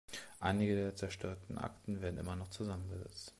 Einige der zerstörten Akten werden immer noch zusammengesetzt.